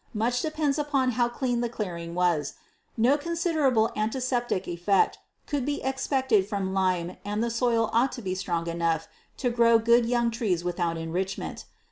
Much depends upon how clean the clearing was. No considerable antiseptic effect could be expected from lime and the soil ought to be strong enough to grow good young trees without enrichment.